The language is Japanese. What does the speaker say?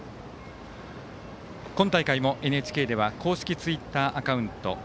今大会もＮＨＫでは公式ツイッターアカウント